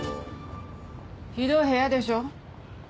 ひどい部屋でしょ。